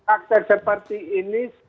akte separti ini